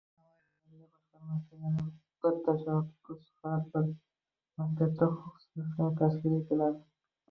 Navoiy viloyati adliya boshqarmasidan yana bir tashabbus: har bir maktabda huquq sinflari tashkil etiladi